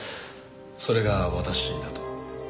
それが私だと？